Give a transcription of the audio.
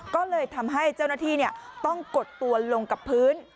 ก็เลยทำให้เจ้าหน้าที่ต้องกดตัวลงกับพื้น